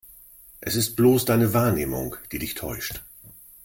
Es ist bloß deine Wahrnehmung, die dich täuscht.